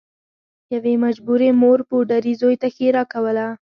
یوې مجبورې مور پوډري زوی ته ښیرا کوله